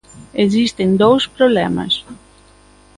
Existen dous problemas.